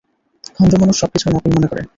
ভন্ড মানুষ সবকিছুই নকল মনে করে!